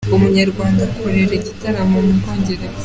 Umunyarwanda arakorera igitaramo mubwongereza